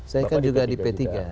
saya kan juga di p tiga